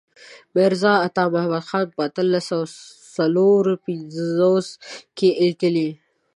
میرزا عطا محمد خان په اتلس سوه څلور پنځوس کې لیکلی.